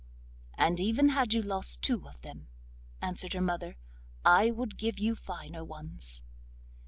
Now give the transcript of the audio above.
'And even had you lost two of them,' answered her mother, 'I would give you finer ones.